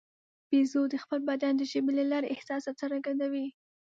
بیزو د خپل بدن د ژبې له لارې احساسات څرګندوي.